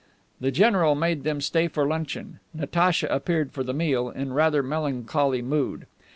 The general made them stay for luncheon. Natacha appeared for the meal, in rather melancholy mood.